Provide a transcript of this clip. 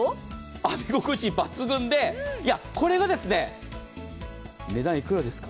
浴び心地抜群でこれが値段幾らですか？